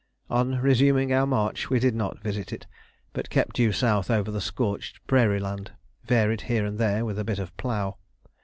On resuming our march we did not visit it, but kept due south over the scorched prairie land, varied here and there with a bit of plough.